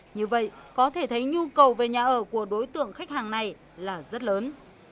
như vậy có thể thấy nhu cầu về nhà ở của đối tượng khách hàng này là rất lớn